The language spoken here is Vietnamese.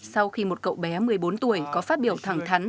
sau khi một cậu bé một mươi bốn tuổi có phát biểu thẳng thắn